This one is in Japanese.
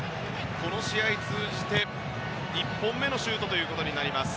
この試合通じて１本目のシュートとなります。